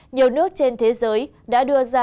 nhiều nước trên thế giới đã đưa ra